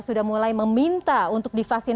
sudah mulai meminta untuk divaksin